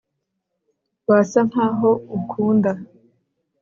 wasa nkaho ukunda